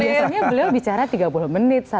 bahkan biasanya beliau bicara tiga puluh menit satu jam